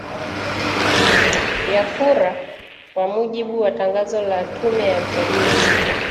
ya kura kwa mujibu wa tangazo la tume ya uchaguzi